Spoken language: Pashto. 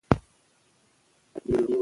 ټوکران باید د ښه کیفیت وي.